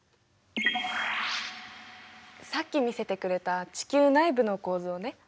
さっき見せてくれた地球内部の構造ね。